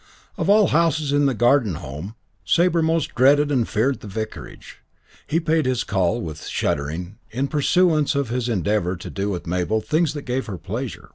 Of all houses in the Garden Home Sabre most dreaded and feared the vicarage. He paid this call, with shuddering, in pursuance of his endeavour to do with Mabel things that gave her pleasure.